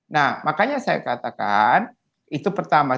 nah makanya saya katakan itu pertama